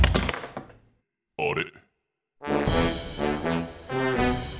あれ？